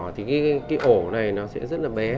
thì cái ổ này nó sẽ rất là bé